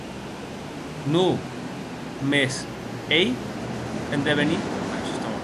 Non, mais c’est a en devenir folle!